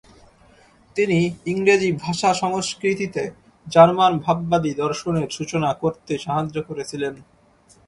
তিনি ইংরেজি ভাষী সংস্কৃতিতে জার্মান ভাববাদী দর্শনের সূচনা করতে সাহায্য করেছিলেন।